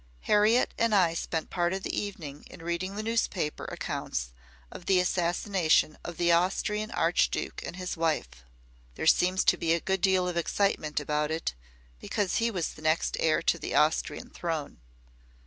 Harriet and I spent part of the evening in reading the newspaper accounts of the assassination of the Austrian Archduke and his wife. There seems to be a good deal of excitement about it because he was the next heir to the Austrian throne.